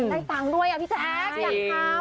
ได้ฟังด้วยอ่ะพี่แจ๊คอยากทำ